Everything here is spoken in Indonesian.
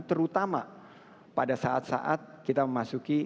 terutama pada saat saat kita memasuki